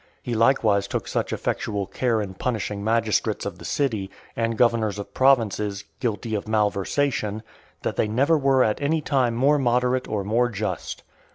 He likewise took such effectual care in punishing magistrates of the city, and governors of provinces, guilty of malversation, that they never were at any time more moderate or more just.